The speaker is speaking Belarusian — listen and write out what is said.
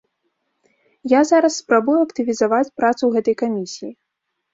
Я зараз спрабую актывізаваць працу гэтай камісіі.